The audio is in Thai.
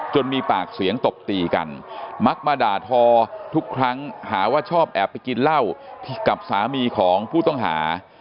มีปากเสียงตบตีกันมักมาด่าทอทุกครั้งหาว่าชอบแอบไปกินเหล้ากับสามีของผู้ต้องหา